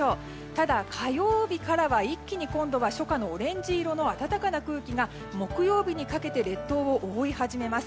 ただ、火曜日からは一気に今度は初夏のオレンジ色の暖かな空気が木曜日にかけて列島を覆い始めます。